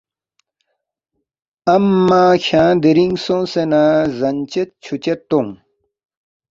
امّہ کھیانگ دِرِنگ سونگسے نہ زن چد چھُو چد تونگ